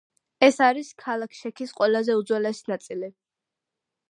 ეს არის ქალაქ შექის ყველაზე უძველესი ნაწილი.